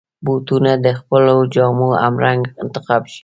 بوټونه د خپلو جامو همرنګ انتخاب شي.